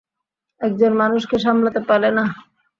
একজন মানুষকে সামলাতে পারলে না?